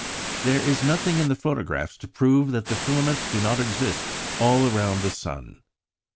There is nothing in the photographs to prove that the filaments do not exist all round the sun.